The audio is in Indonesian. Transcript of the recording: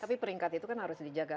tapi peringkat itu kan harus dijaga